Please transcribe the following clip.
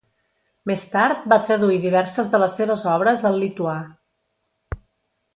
Més tard va traduir diverses de les seves obres al lituà.